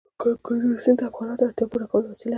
کندز سیند د افغانانو د اړتیاوو د پوره کولو وسیله ده.